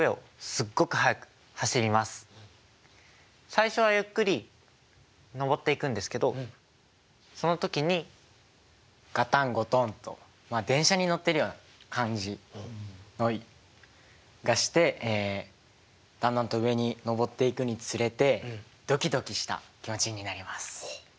最初はゆっくり上っていくんですけどその時にガタンゴトンと電車に乗ってるような感じがしてだんだんと上に上っていくにつれてドキドキした気持ちになります。